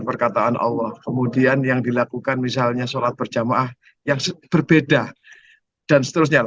perkataan allah kemudian yang dilakukan misalnya sholat berjamaah yang berbeda dan seterusnya